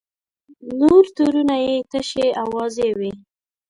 نور تورونه یې تشې اوازې وې.